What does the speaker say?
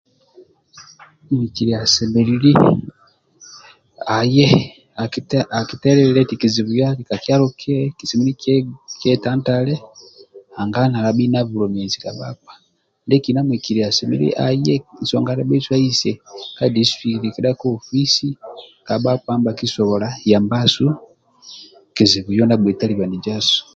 Muhikili asemelelu aye akitelilia ati kizibu yo ali ka kyalo yo dhubhi kyetatale nanga nalabi na bulemezi ka bhakpa muhikili asemelelu nsonga ndiasu ahise ka disitricti kenda ka ofisi kabhabha nibha kisobola yabasu